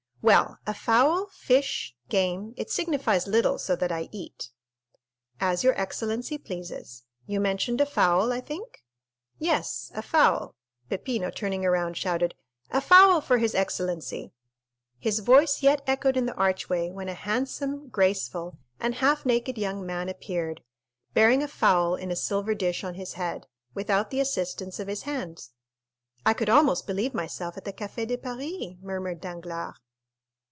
"Well, a fowl, fish, game,—it signifies little, so that I eat." "As your excellency pleases. You mentioned a fowl, I think?" "Yes, a fowl." Peppino, turning around, shouted, "A fowl for his excellency!" His voice yet echoed in the archway when a handsome, graceful, and half naked young man appeared, bearing a fowl in a silver dish on his head, without the assistance of his hands. "I could almost believe myself at the Café de Paris," murmured Danglars.